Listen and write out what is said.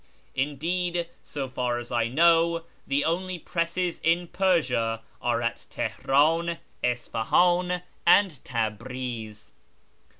Indeed, so far as I know, the only presses in Persia are at Teheran, Isfahan, and Tabriz.